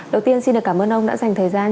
đầu tiên xin được cảm ơn ông đã dành thời gian